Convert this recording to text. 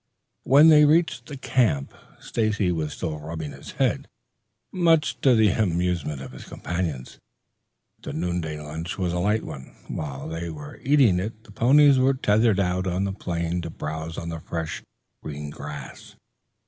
When they reached the camp, Stacy was still rubbing his head, much to the amusement of his companions. The noonday lunch was a light one; while they were eating it the ponies were tethered out on the plain to browse on the fresh, green grass.